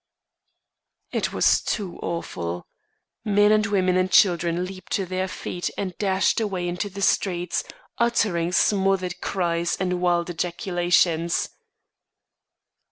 It was too awful. Men and women and children leaped to their feet and dashed away into the streets, uttering smothered cries and wild ejaculations.